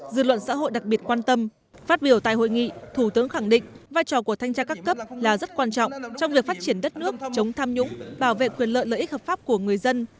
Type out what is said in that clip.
dư luận xã hội đặc biệt quan tâm phát biểu tại hội nghị thủ tướng khẳng định vai trò của thanh tra các cấp là rất quan trọng trong việc phát triển đất nước chống tham nhũng bảo vệ quyền lợi lợi ích hợp pháp của người dân